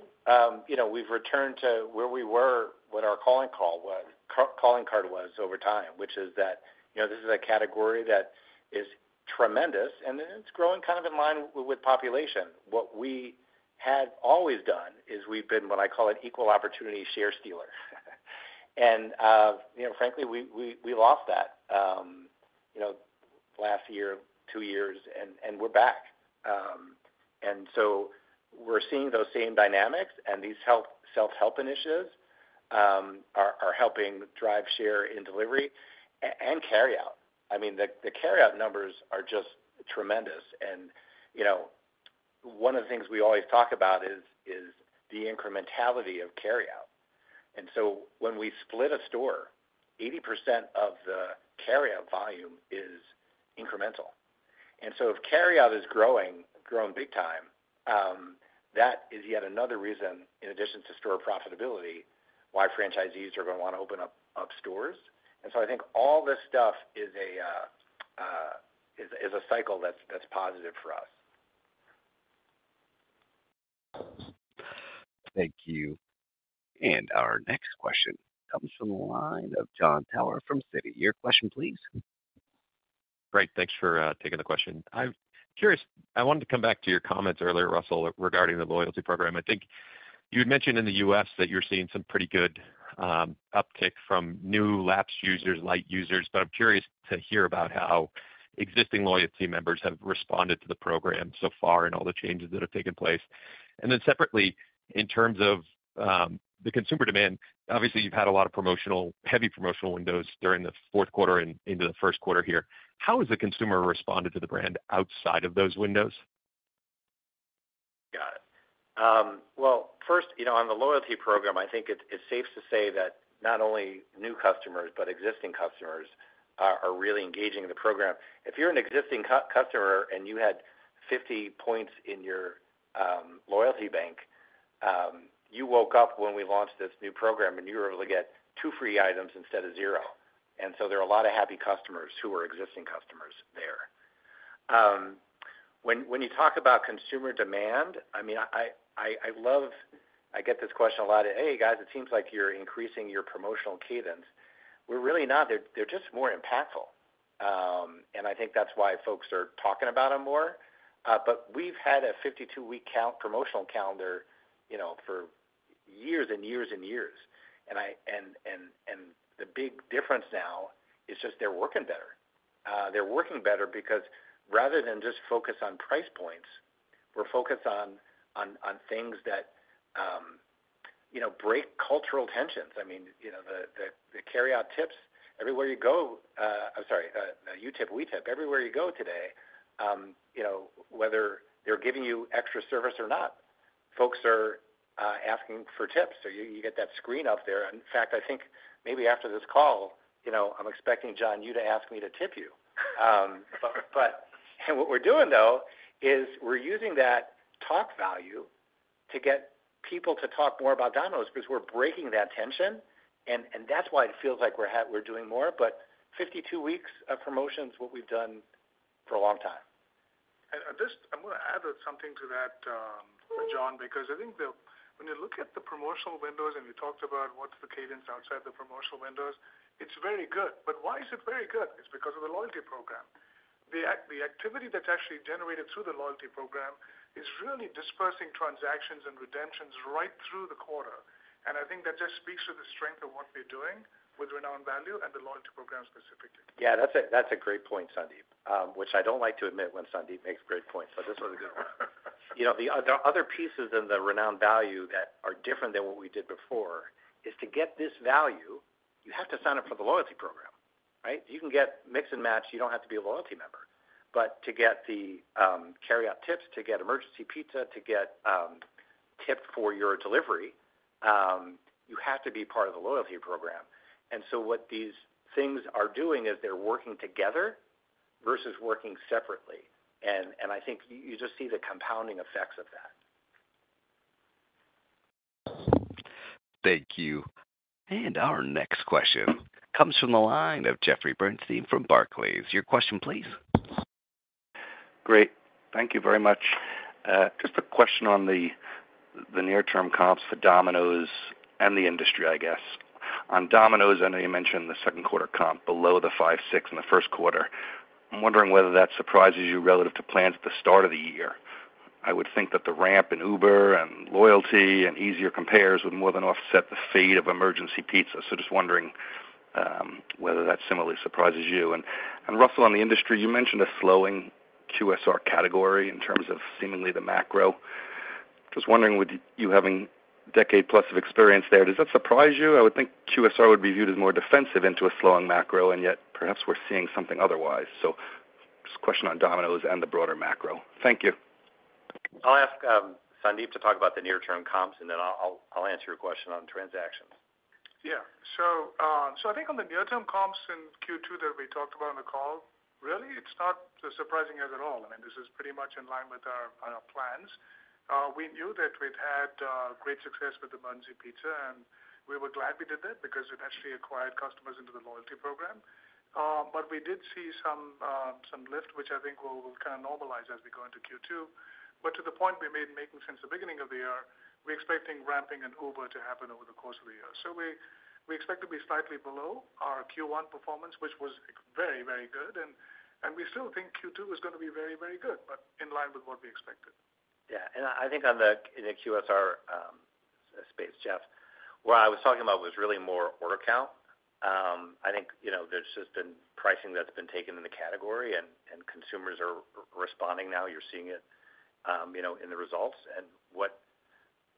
you know, we've returned to where we were, what our calling card was over time, which is that, you know, this is a category that is tremendous, and then it's growing kind of in line with population. What we had always done is we've been, what I call, an equal opportunity share stealer. And, you know, frankly, we lost that, you know, last year, two years, and we're back. And so we're seeing those same dynamics, and these self-help initiatives are helping drive share in delivery and carryout. I mean, the carryout numbers are just tremendous. And, you know, one of the things we always talk about is the incrementality of carryout. And so when we split a store, 80% of the carryout volume is incremental. And so if carryout is growing, growing big time, that is yet another reason, in addition to store profitability, why franchisees are gonna wanna open up stores. And so I think all this stuff is a cycle that's positive for us. Thank you. And our next question comes from the line of Jon Tower from Citi. Your question, please. Great! Thanks for taking the question. I'm curious. I wanted to come back to your comments earlier, Russell, regarding the loyalty program. I think you had mentioned in the U.S. that you're seeing some pretty good uptick from new lapsed users, light users, but I'm curious to hear about how existing loyalty members have responded to the program so far and all the changes that have taken place. And then separately, in terms of the consumer demand, obviously, you've had a lot of heavy promotional windows during the fourth quarter and into the first quarter here. How has the consumer responded to the brand outside of those windows? Got it. Well, first, you know, on the loyalty program, I think it, it's safe to say that not only new customers, but existing customers are really engaging in the program. If you're an existing customer and you had 50 points in your loyalty bank, you woke up when we launched this new program, and you were able to get 2 free items instead of 0. And so there are a lot of happy customers who are existing customers there. When you talk about consumer demand, I mean, I love. I get this question a lot, "Hey, guys, it seems like you're increasing your promotional cadence." We're really not. They're just more impactful. And I think that's why folks are talking about them more. But we've had a 52-week promotional calendar, you know, for years and years and years. And the big difference now is just they're working better. They're working better because rather than just focus on price points, we're focused on things that, you know, break cultural tensions. I mean, you know, the Carryout Tips, everywhere you go, You Tip, We Tip. Everywhere you go today, you know, whether they're giving you extra service or not, folks are asking for tips. So you get that screen up there. In fact, I think maybe after this call, you know, I'm expecting, Jon, you to ask me to tip you. But, and what we're doing, though, is we're using that talk value to get people to talk more about Domino's because we're breaking that tension, and that's why it feels like we're doing more. But 52 weeks of promotions, what we've done for a long time. And I just, I'm gonna add something to that, Jon, because I think when you look at the promotional windows, and you talked about what's the cadence outside the promotional windows, it's very good. But why is it very good? It's because of the loyalty program. The activity that's actually generated through the loyalty program is really dispersing transactions and redemptions right through the quarter. And I think that just speaks to the strength of what we're doing with Renowned Value and the loyalty program specifically. Yeah, that's a, that's a great point, Sandeep. Which I don't like to admit when Sandeep makes great points, but this was a good one. You know, the other pieces in the Renowned Value that are different than what we did before, is to get this value, you have to sign up for the loyalty program, right? You can get Mix & Match, you don't have to be a loyalty member. But to get the Carryout Tips, to get Emergency Pizza, to get tip for your delivery, you have to be part of the loyalty program. And so what these things are doing is they're working together versus working separately. And I think you just see the compounding effects of that. Thank you. And our next question comes from the line of Jeffrey Bernstein from Barclays. Your question, please. Great. Thank you very much. Just a question on the near-term comps for Domino's and the industry, I guess. On Domino's, I know you mentioned the second quarter comp below the 5.6 in the first quarter. I'm wondering whether that surprises you relative to plans at the start of the year. I would think that the ramp in Uber and loyalty and easier compares would more than offset the fade of Emergency Pizza. So just wondering whether that similarly surprises you. And Russell, on the industry, you mentioned a slowing QSR category in terms of seemingly the macro. Just wondering, with you having a decade plus of experience there, does that surprise you? I would think QSR would be viewed as more defensive into a slowing macro, and yet perhaps we're seeing something otherwise. So just a question on Domino's and the broader macro. Thank you. I'll ask Sandeep to talk about the near-term comps, and then I'll answer your question on transactions. Yeah. So, I think on the near-term comps in Q2 that we talked about on the call, really, it's not surprising us at all. I mean, this is pretty much in line with our plans. We knew that we'd had great success with Emergency Pizza, and we were glad we did that because it actually acquired customers into the loyalty program. But we did see some lift, which I think will kind of normalize as we go into Q2. But to the point we've been making since the beginning of the year, we're expecting ramping in Uber to happen over the course of the year. So we expect to be slightly below our Q1 performance, which was very, very good, and we still think Q2 is gonna be very, very good, but in line with what we expected. Yeah, and I think on the, in the QSR space, Jeff, what I was talking about was really more order count. I think, you know, there's just been pricing that's been taken in the category and consumers are responding now. You're seeing it, you know, in the results. And what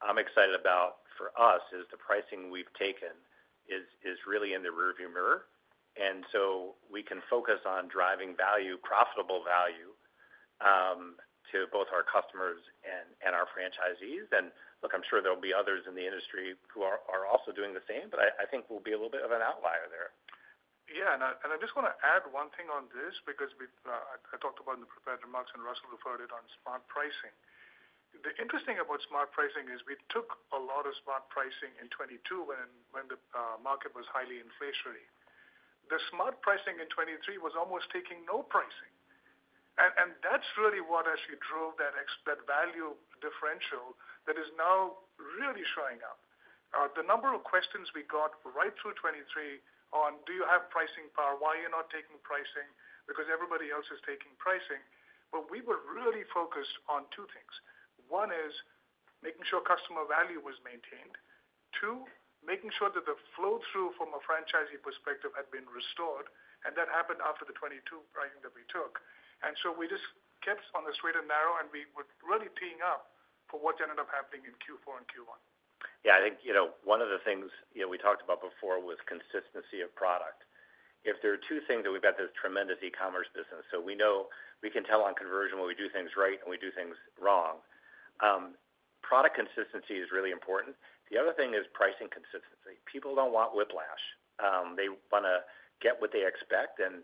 I'm excited about for us is the pricing we've taken is really in the rearview mirror. And so we can focus on driving value, profitable value to both our customers and our franchisees. And look, I'm sure there'll be others in the industry who are also doing the same, but I think we'll be a little bit of an outlier there. Yeah, and I just wanna add one thing on this because I talked about in the prepared remarks and Russell referred it on smart pricing. The interesting about smart pricing is we took a lot of smart pricing in 2022 when the market was highly inflationary. The smart pricing in 2023 was almost taking no pricing. And that's really what actually drove that value differential that is now really showing up. The number of questions we got right through 2023 on: Do you have pricing power? Why are you not taking pricing? Because everybody else is taking pricing. But we were really focused on two things. One is making sure customer value was maintained. Two, making sure that the flow-through from a franchisee perspective had been restored, and that happened after the 2022 pricing that we took. So we just kept on the straight and narrow, and we were really teeing up for what ended up happening in Q4 and Q1. Yeah, I think, you know, one of the things, you know, we talked about before was consistency of product. If there are two things that we've got, this tremendous e-commerce business, so we know, we can tell on conversion when we do things right and we do things wrong. Product consistency is really important. The other thing is pricing consistency. People don't want whiplash. They wanna get what they expect, and,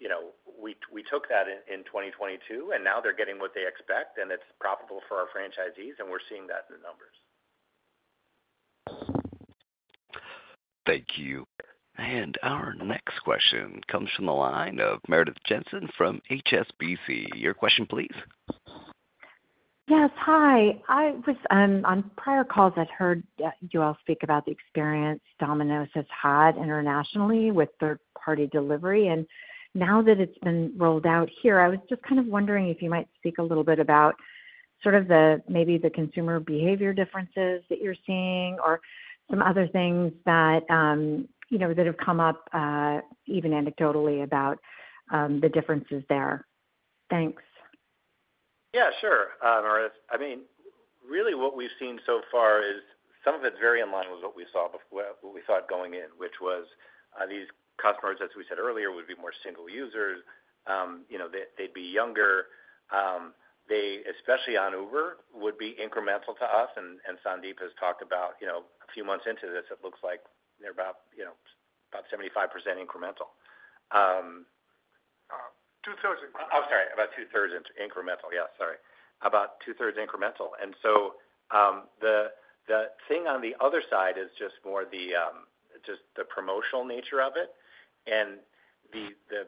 you know, we took that in 2022, and now they're getting what they expect, and it's profitable for our franchisees, and we're seeing that in the numbers. Thank you. And our next question comes from the line of Meredith Jensen from HSBC. Your question, please. Yes, hi. I was on prior calls. I'd heard you all speak about the experience Domino's has had internationally with third-party delivery. Now that it's been rolled out here, I was just kind of wondering if you might speak a little bit about sort of the, maybe the consumer behavior differences that you're seeing or some other things that, you know, that have come up, even anecdotally, about the differences there. Thanks. Yeah, sure, Meredith. I mean, really what we've seen so far is some of it's very in line with what we thought going in, which was these customers, as we said earlier, would be more single users. You know, they, they'd be younger. They, especially on Uber, would be incremental to us, and Sandeep has talked about, you know, a few months into this, it looks like they're about, you know, about 75% incremental. Two-thirds incremental. I'm sorry, about 2/3 incremental. Yeah, sorry. About 2/3 incremental. And so, the thing on the other side is just more the just the promotional nature of it, and the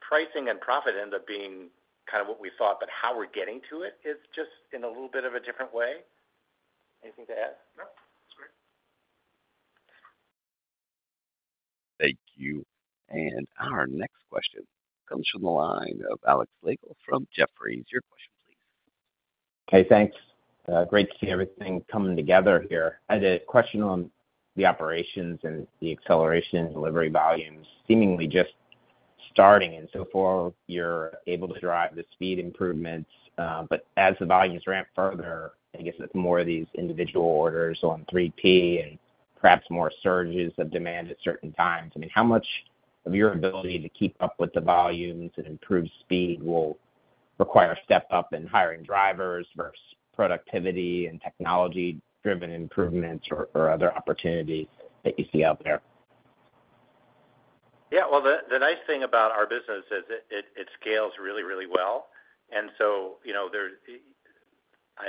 pricing and profit end up being kind of what we thought, but how we're getting to it is just in a little bit of a different way. Anything to add? No, that's great. Thank you. Our next question comes from the line of Alex Slagle from Jefferies. Your question please. Okay, thanks. Great to see everything coming together here. I had a question on the operations and the acceleration in delivery volumes seemingly just starting, and so far, you're able to drive the speed improvements. But as the volumes ramp further, I guess with more of these individual orders on 3P and perhaps more surges of demand at certain times, I mean, how much of your ability to keep up with the volumes and improve speed will require a step up in hiring drivers versus productivity and technology-driven improvements or other opportunities that you see out there? Yeah, well, the nice thing about our business is it scales really, really well. And so, you know,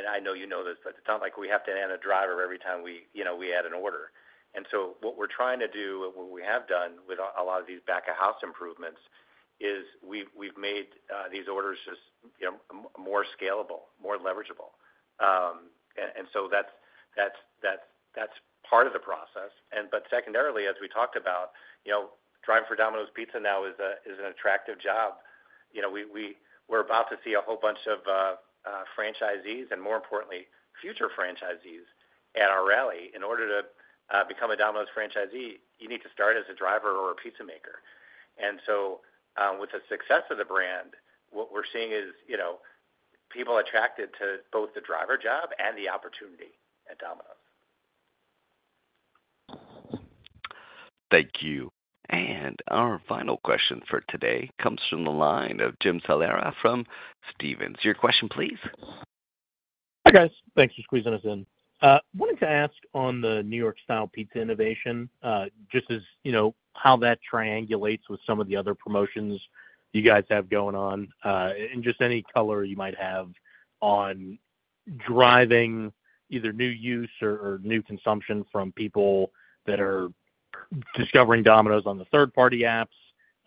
I know you know this, but it's not like we have to add a driver every time we, you know, we add an order. And so what we're trying to do and what we have done with a lot of these back-of-house improvements is we've made these orders just, you know, more scalable, more leverageable. And so that's part of the process. But secondarily, as we talked about, you know, driving for Domino's Pizza now is an attractive job. You know, we're about to see a whole bunch of franchisees and more importantly, future franchisees at our rally. In order to become a Domino's franchisee, you need to start as a driver or a pizza maker. And so, with the success of the brand, what we're seeing is, you know, people attracted to both the driver job and the opportunity at Domino's. Thank you. Our final question for today comes from the line of Jim Salera from Stephens. Your question please. Hi, guys. Thanks for squeezing us in. Wanted to ask on the New York Style pizza innovation, just as, you know, how that triangulates with some of the other promotions you guys have going on, and just any color you might have on driving either new use or new consumption from people that are discovering Domino's on the third-party apps,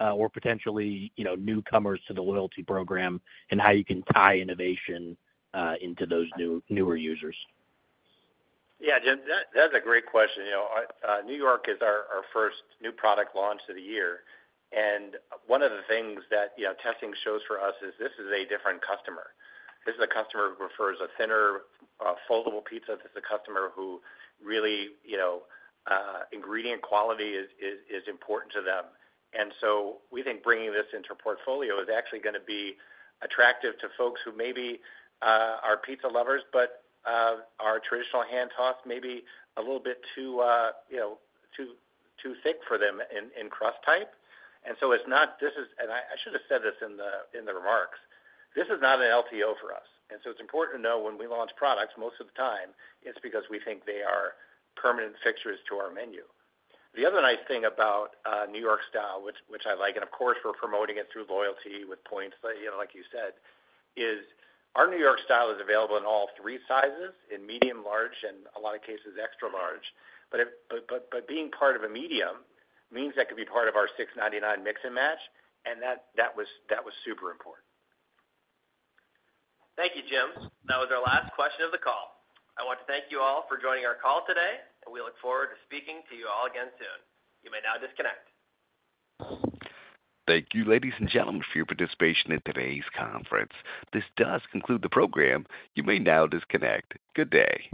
or potentially, you know, newcomers to the loyalty program, and how you can tie innovation into those newer users? Yeah, Jim, that's a great question. You know, New York is our first new product launch of the year. And one of the things that, you know, testing shows for us is this is a different customer. This is a customer who prefers a thinner, foldable pizza. This is a customer who really, you know, ingredient quality is important to them. And so we think bringing this into our portfolio is actually gonna be attractive to folks who maybe are pizza lovers, but our traditional Hand Tossed may be a little bit too, you know, too thick for them in crust type. And so it's not. This is. And I should have said this in the remarks. This is not an LTO for us, and so it's important to know when we launch products, most of the time, it's because we think they are permanent fixtures to our menu. The other nice thing about New York Style, which I like, and of course, we're promoting it through loyalty with points, you know, like you said, is our New York Style is available in all three sizes, in medium, large, and a lot of cases, extra large. But being part of a medium means that could be part of our $6.99 Mix & Match, and that was super important. Thank you, Jim. That was our last question of the call. I want to thank you all for joining our call today, and we look forward to speaking to you all again soon. You may now disconnect. Thank you, ladies and gentlemen, for your participation in today's conference. This does conclude the program. You may now disconnect. Good day!